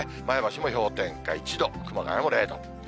前橋も氷点下１度、熊谷も０度。